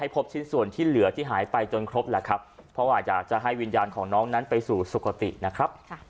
เพราะอาจจะให้วิญญาณของน้องนั้นไปสู่สุขตินะครับ